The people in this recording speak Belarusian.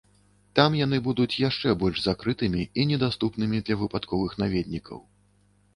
Там яны будуць яшчэ больш закрытымі і недаступнымі для выпадковых наведнікаў.